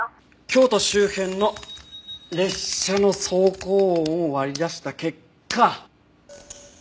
京都周辺の列車の走行音を割り出した結果。